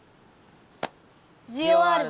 ジオワールド！